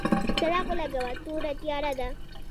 څراغ ولګوه ، توره تیاره ده !